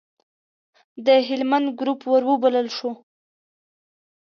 د هلمند ګروپ وروبلل شو.